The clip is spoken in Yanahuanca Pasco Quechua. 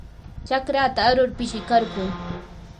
chakrata arur pishikarquu.